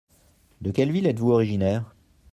De quelle ville êtes-vous originaire ?